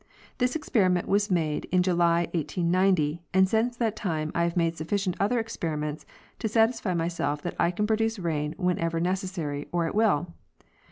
This experiment was made in July, 1890, and since that time I have made sufficient other experiments to satisfy myself that I can pro duce rain whenever necessary, or at will.